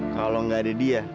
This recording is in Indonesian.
kalau gak ada dia